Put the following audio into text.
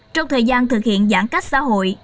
trong thời gian thực hiện giãn cách xã hội